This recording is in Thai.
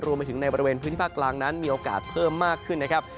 รวมไปถึงในบริเวณพื้นที่ภาคกลางนั้นมีโอกาสเพิ่มมากขึ้นนะครับ